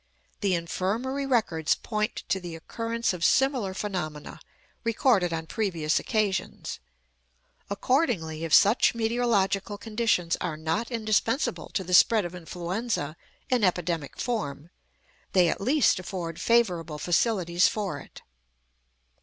The Infirmary records point to the occurrence of similar phenomena, recorded on previous occasions. Accordingly, if such meteorological conditions are not indispensable to the spread of influenza in epidemic form, they at least afford favourable facilities for it.